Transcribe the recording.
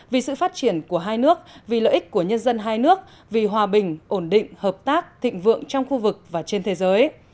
vì sự phát triển của hai nước vì lợi ích của nhân dân hai nước vì hòa bình ổn định hợp tác thịnh vượng trong khu vực và trên thế giới